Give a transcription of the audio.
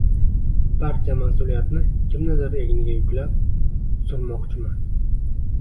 barcha mas’uliyatni kimnidir egniga yuklab surmoqchiman